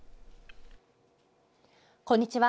こんにちは。